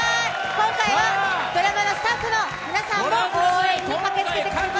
今回はドラマのスタッフの皆さんも応援に駆けつけてくれています。